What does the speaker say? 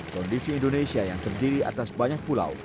kondisi indonesia yang terdiri atas banyak pulau